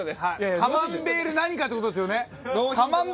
カマンベール何かって事ですよね。